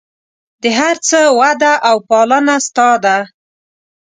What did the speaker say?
د هر څه وده او پالنه ستا ده.